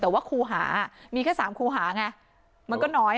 แต่ว่าครูหามีแค่๓ครูหาไงมันก็น้อย